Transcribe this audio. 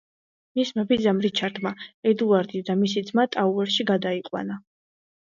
მისმა ბიძამ რიჩარდმა ედუარდი და მისი ძმა ტაუერში გადაიყვანა.